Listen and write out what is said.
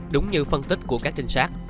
đúng như phân tích của các trinh sát